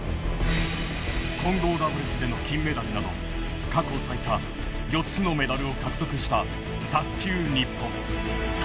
混合ダブルスでの金メダルなど過去最多、４つのメダルを獲得した卓球、日本。